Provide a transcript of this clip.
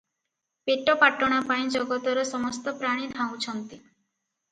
ପେଟ ପାଟଣା ପାଇଁ ଜଗତର ସମସ୍ତପ୍ରାଣୀ ଧାଉଁଛନ୍ତି ।